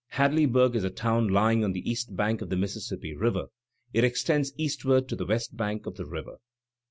Hadleyburg is a town lying on the east bank of the Mississippi River; it extends eastward to the west bank of the river.